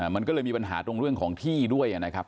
มันก็เลยมีปัญหาตรงเรื่องของที่ด้วยนะครับ